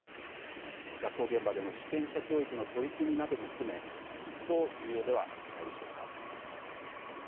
学校現場での主権者教育の取り組みなども含め一層、重要ではないでしょうか。